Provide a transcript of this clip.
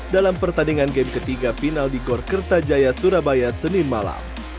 dalam pertandingan game ketiga final di gor kertajaya surabaya senin malam